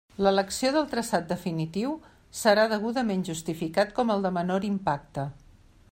L'elecció del traçat definitiu serà degudament justificat com el de menor impacte.